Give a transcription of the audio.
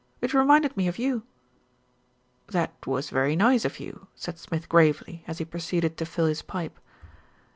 It reminded me of you." "That was very nice of you," said Smith gravely, as he proceeded to fill his pipe.